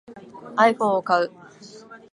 iPhone を買う